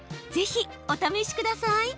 ぜひお試しください。